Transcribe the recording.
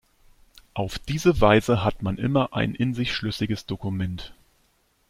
Auf diese Weise hat man immer ein in sich schlüssiges Dokument.